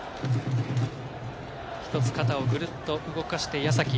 一つ、肩をグルっと動かして、矢崎。